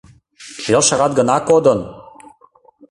Пел шагат гына кодын!